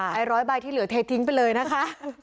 ไอ้ร้อยใบที่เหลือเททิ้งไปเลยนะคะ